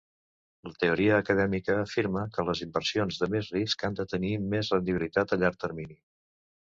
La teoria acadèmica afirma que les inversions de més risc han de tenir més rendibilitat a llarg termini.